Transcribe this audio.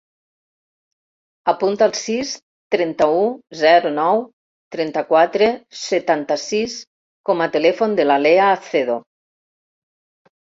Apunta el sis, trenta-u, zero, nou, trenta-quatre, setanta-sis com a telèfon de la Lea Acedo.